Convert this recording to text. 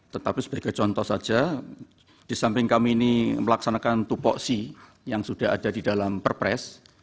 tetapi sebagai contoh saja di samping kami ini melaksanakan tupoksi yang sudah ada di dalam perpres